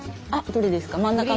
どれですか？